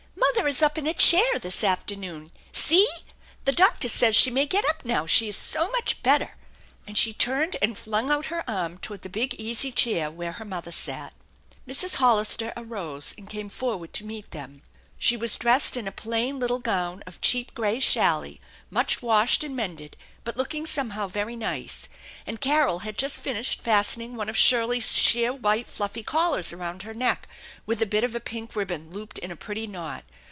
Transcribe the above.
" Mother is up in a chair this afternoon. See ! The doctor 162 THE ENCHANTED BARN says she may get up now, she is so much better !" and she turned and flung out her arm toward the big easy chair where her mother sat. Mrs. Hollister arose and came forward to meet them. She was dressed in a plain little gown of cheap gray challis, much washed and mended, but looking somehow very nice; and Carol had just finished fastening one of Shirley's sheer white fluffy collars around her neck, with a bit of a pink ribbon looped in a pretty knot.